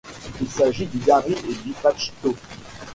Il s'agit du dari et du pachto.